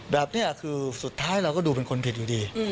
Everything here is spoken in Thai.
แบบนี้คือสุดท้ายเราก็ดูเป็นคนผิดอยู่ดี